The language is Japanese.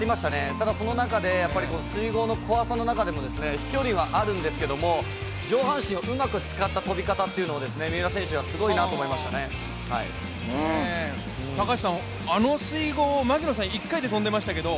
ただ、その中で水濠の怖さの中で飛距離はあるんですけど上半身をうまくつかった飛び方というのは三浦選手、すごいなと思いましたねあそこの水濠、槙野さんは一発で跳んでましたけどね。